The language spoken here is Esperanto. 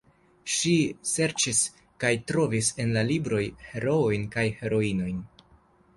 Ŝi serĉis kaj trovis en la libroj heroojn kaj heroinojn.